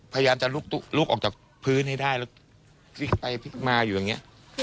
พยายามจะลุกออกจากพื้นให้ได้